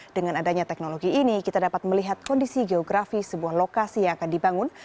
dengan adanya teknologi ini kita dapat melihat kondisi geografi sebuah lokasi yang akan dibangun